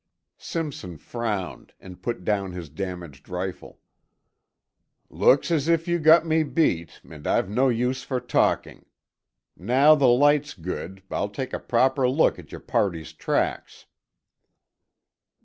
Simpson frowned and put down his damaged rifle. "Looks as if you had got me beat and I've no use for talking. Now the light's good, I'll take a proper look at your party's tracks."